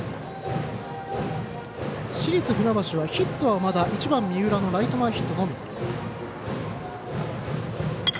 市立船橋はヒットはまだ１番、三浦のライト前ヒットのみ。